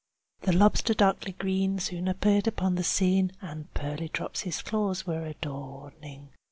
The lobster darkly green soon appeared upon the scene, And pearly drops his claws were adorning.